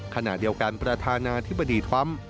ขณะเดียวกันประธานาธิบดีทรัมป์